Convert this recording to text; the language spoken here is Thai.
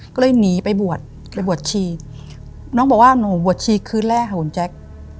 ก็เลยหนีไปบวชไปบวชชีน้องบอกว่าหนูบวชชีคืนแรกค่ะคุณแจ๊ค